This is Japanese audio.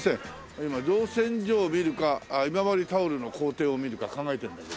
今造船所を見るか今治タオルの工程を見るか考えてるんだけど。